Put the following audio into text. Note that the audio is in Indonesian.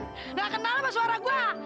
gak kenal sama suara gua